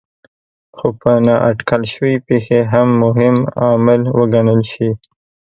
خو په نااټکل شوې پېښې هم مهم عامل وګڼل شي.